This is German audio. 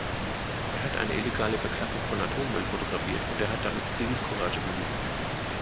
Er hat eine illegale Verklappung von Atommüll fotografiert, und er hat damit Zivilcourage bewiesen.